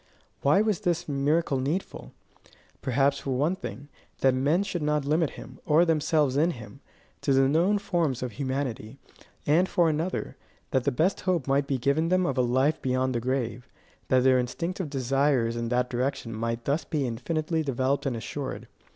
Why was this miracle needful? Perhaps, for one thing, that men should not limit him, or themselves in him, to the known forms of humanity; and for another, that the best hope might be given them of a life beyond the grave; that their instinctive desires in that direction might thus be infinitely developed and assured.